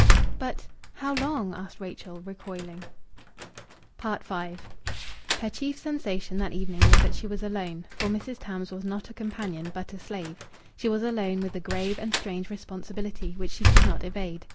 "But how long ?" asked Rachel, recoiling. V Her chief sensation that evening was that she was alone, for Mrs. Tams was not a companion, but a slave. She was alone with a grave and strange responsibility, which she could not evade.